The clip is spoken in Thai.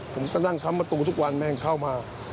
ผมก็นั่งค้ำประตูทุกวันแม่งเข้ามา